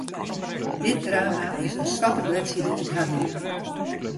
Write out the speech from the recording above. Dit drama is in swarte bledside út har libben.